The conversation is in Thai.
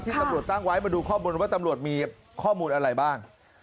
ตำรวจตั้งไว้มาดูข้อมูลว่าตำรวจมีข้อมูลอะไรบ้าง